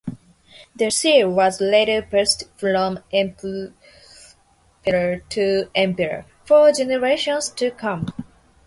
The Seal was later passed from emperor to emperor for generations to come.